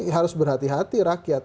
harus berhati hati rakyat